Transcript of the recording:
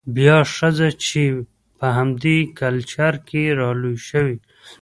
بيا ښځه چې په همدې کلچر کې رالوى شوې،